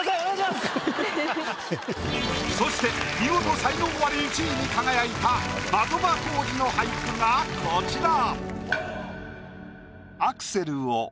そして見事才能アリ１位に輝いた的場浩司の俳句がこちら。